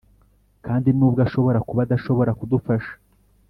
kandi nubwo ashobora kuba adashobora kudufasha,